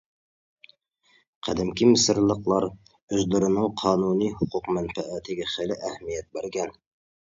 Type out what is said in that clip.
قەدىمكى مىسىرلىقلار ئۆزلىرىنىڭ قانۇنى ھوقۇق-مەنپەئەتىگە خېلى ئەھمىيەت بەرگەن.